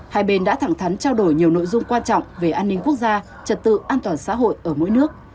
hai bên đã thẳng thắn trao đổi nhiều nội dung quan trọng về an ninh quốc gia trật tự an toàn xã hội ở mỗi nước